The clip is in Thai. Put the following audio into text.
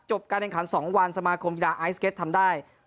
การแข่งขัน๒วันสมาคมกีฬาไอซ์เก็ตทำได้